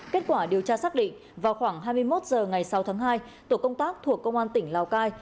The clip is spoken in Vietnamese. kết quả điều tra xác định vào khoảng hai mươi một h ngày sáu tháng hai tổ công tác thuộc công an tỉnh lào cai